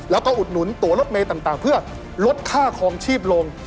แล้วก็อุดหนุนตัวรถเมย์ต่างเพื่อลดค่าคลองชีพลง